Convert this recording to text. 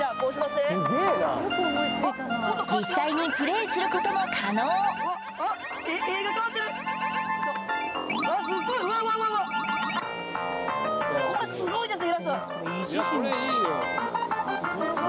実際にプレーすることも可能これすごいですよ